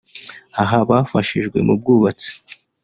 Aha bafashijwe mu bwubatsi